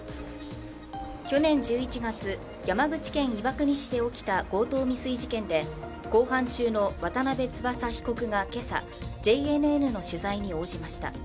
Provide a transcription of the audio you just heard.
去年１１月、山口県岩国市で起きた強盗未遂事件で公判中の渡邉翼被告が今朝ＪＮＮの取材に応じました。